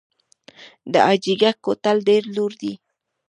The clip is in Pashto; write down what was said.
د حاجي ګک کوتل ډیر لوړ دی